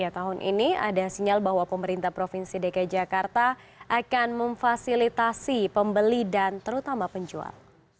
tahun ini ada sinyal bahwa pemerintah provinsi dki jakarta akan memfasilitasi pembeli dan terutama penjual